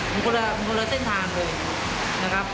มันคนละเซ่นฐานนะครับ